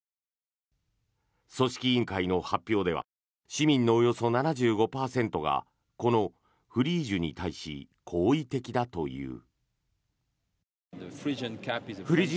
組織委員会の発表では市民のおよそ７５％がこのフリージュに対し好意的だという。